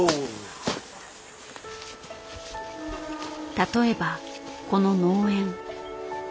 例えばこの農園。